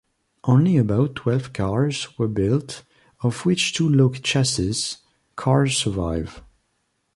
Only about twelve cars were built, of which two low-chassis cars survive.